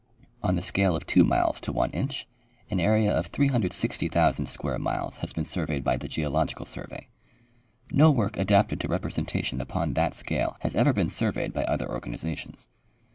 On tlie scale of two miles to one inch, an area of 360,000 square miles has been surveyed by the Geological survey. No work adapted to representation upon that scale has ever been surveyed by other organizations.